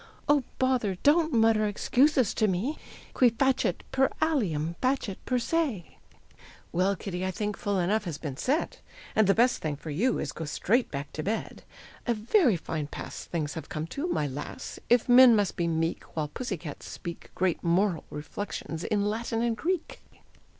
Oh, bother! don't mutter excuses to me: Qui facit per alium facit per se." "Well, Kitty, I think full enough has been said, And the best thing for you is go straight back to bed. A very fine pass Things have come to, my lass, If men must be meek While pussy cats speak Great moral reflections in Latin and Greek!"